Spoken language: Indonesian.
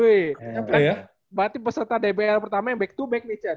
wih berarti peserta dbl pertama yang back to back nih chad